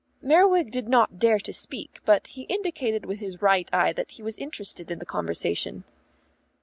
Merriwig did not dare to speak, but he indicated with his right eye that he was interested in the conversation.